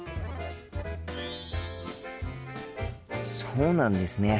そうなんですね。